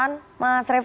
kekuasaan mas revo